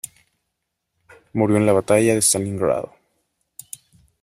Murió en la Batalla de Stalingrado.